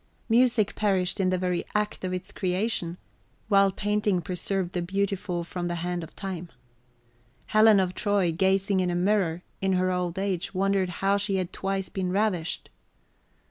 Music perished in the very act of its creation, {xviii} while painting preserved the beautiful from the hand of time. "Helen of Troy, gazing in a mirror, in her old age, wondered how she had twice been ravished."